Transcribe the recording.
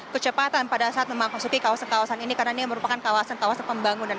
kecepatan pada saat memasuki kawasan kawasan ini karena ini merupakan kawasan kawasan pembangunan